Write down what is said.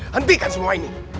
hentikan semua ini